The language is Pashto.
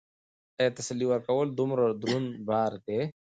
ایا تسلي ورکول دومره دروند بار دی؟